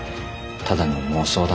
ただの妄想だ。